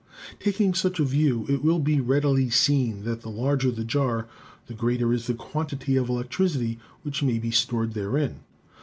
Taking such a view, it will be readily seen that the larger the jar, the greater is the quantity of electricity which may be stored therein.